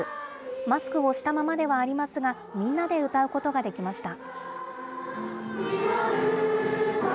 マスクをしたままではありますが、みんなで歌うことができました。